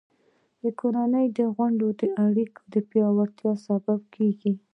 د کورنۍ غونډې د اړیکو د پیاوړتیا سبب کېږي.